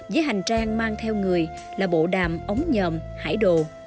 với hành trang mang theo người là bộ đàm ống nhờm hải đồ